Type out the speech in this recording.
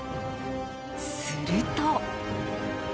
すると。